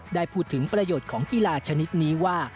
ได้พูดถึงประโยชน์ของกีฬาชนิดนี้ว่า